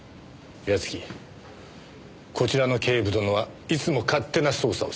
岩月こちらの警部殿はいつも勝手な捜査をする。